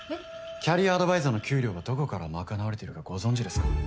キャリアアドバイザーの給料はどこから賄われているかご存じですか？